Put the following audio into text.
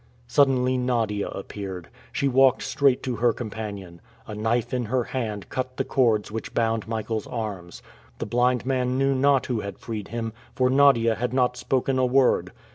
Suddenly Nadia appeared. She walked straight to her companion. A knife in her hand cut the cords which bound Michael's arms. The blind man knew not who had freed him, for Nadia had not spoken a word.